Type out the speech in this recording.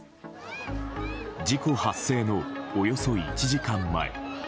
事故発生のおよそ１時間前。